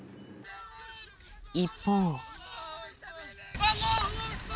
一方。